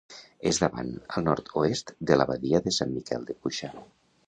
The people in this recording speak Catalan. És davant, al nord-oest, de l'abadia de Sant Miquel de Cuixà.